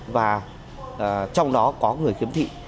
và trong đó có người khiếm thị